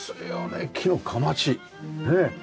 ねえ。